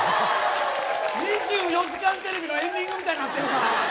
「２４時間テレビ」のエンディングみたいになってるから。